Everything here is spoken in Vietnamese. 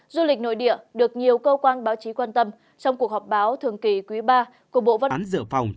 du lịch nội địa được nhiều cơ quan báo chí quan tâm trong cuộc họp báo thường kỳ quý ba của bộ văn hóa dự phòng